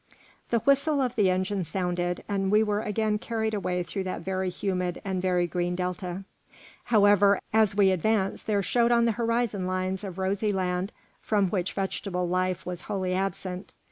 The whistle of the engine sounded, and we were again carried away through that very humid and very green Delta. However, as we advanced there showed on the horizon lines of rosy land from which vegetable life was wholly absent.